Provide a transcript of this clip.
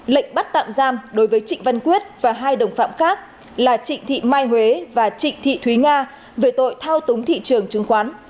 lệnh bắt tạm giam đối với trịnh văn quyết và hai đồng phạm khác là trịnh thị mai huế và trịnh thị thúy nga về tội thao túng thị trường chứng khoán